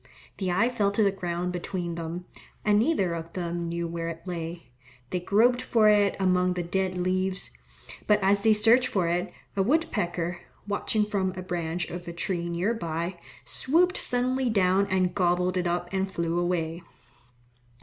The eye fell to the ground between them, and neither of them knew where it lay. They groped for it among the dead leaves, but as they searched for it, a wood pecker, watching from a branch of a tree near by, swooped suddenly down and gobbled it up and flew away.